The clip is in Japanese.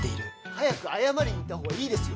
早く謝りに行ったほうがいいですよ！